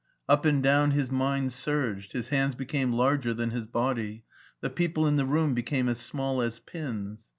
Up and down his mind surged. His hands became larger than his body. The people in the room became as small as pins.